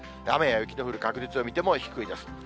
雨や雪の降る確率を見ても低いです。